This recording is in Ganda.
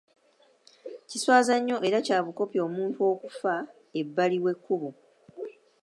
Kiswaza nnyo era kya bukopi omuntu okufuka ebbali w'ekkubo.